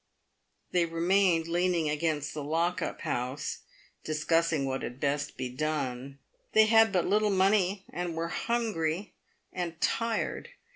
" They remained leaning against the lock up house, discussing what had best be done. They had but little money, and were hungry and tired.